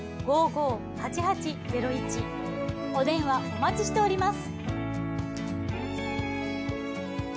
お電話お待ちしております。